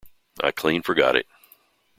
I clean forgot it.